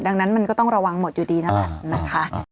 ดังนั้นมันก็ต้องระวังหมดอยู่ดีนั่นแหละนะคะ